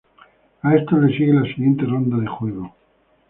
A esto le sigue la siguiente ronda de juego.